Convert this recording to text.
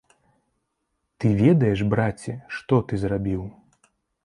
Ты ведаеш, браце, што ты зрабіў?